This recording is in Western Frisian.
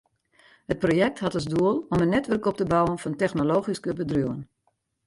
It projekt hat as doel om in netwurk op te bouwen fan technologyske bedriuwen.